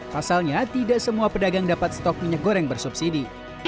pasalnya tidak semua pedagang dapat stok minyak goreng bersubsidi